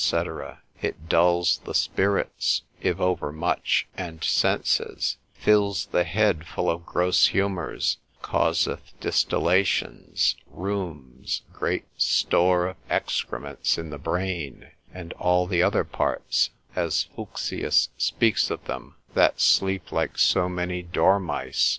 It dulls the spirits, if overmuch, and senses; fills the head full of gross humours; causeth distillations, rheums, great store of excrements in the brain, and all the other parts, as Fuchsius speaks of them, that sleep like so many dormice.